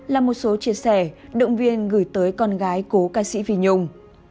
là một số chia sẻ động viên gửi tới con gái cố ca sĩ vy nhung